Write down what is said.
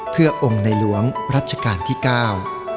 เพื่อองค์ในหลวงรัชกาลที่เก้า